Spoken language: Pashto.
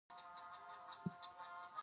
ته به تر څو پورې د هغه لارې څاري.